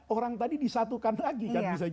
orang tadi disatukan lagi